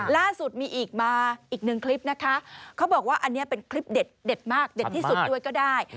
ล่าสุดมีอีกมาอีกหนึ่งคลิปนะคะเขาบอกว่าอันนี้เป็นคลิปเด็ดมากเด็ดที่สุดด้วยก็ได้